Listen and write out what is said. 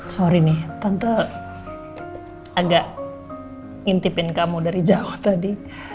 sorry nih tante agak ngintipin kamu dari jauh tadi